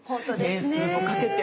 年数もかけて。